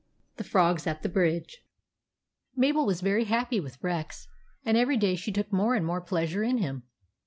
THE FROGS AT THE BRIDGE MABEL was very happy with Rex, and every day she took more and more pleasure in him.